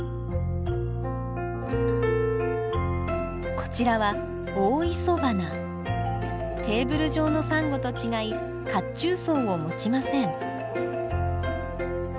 こちらはテーブル状のサンゴと違い褐虫藻を持ちません。